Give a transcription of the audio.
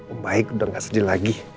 oh baik udah gak sedih lagi